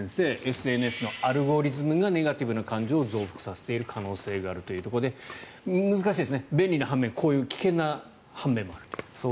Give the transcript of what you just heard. ＳＮＳのアルゴリズムがネガティブな感情を増幅させている可能性があるということで難しいですね、便利な半面こういう危険な半面もある。